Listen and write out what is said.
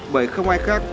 bởi không ai khác